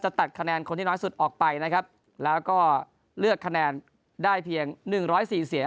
ตัดคะแนนคนที่น้อยสุดออกไปนะครับแล้วก็เลือกคะแนนได้เพียงหนึ่งร้อยสี่เสียง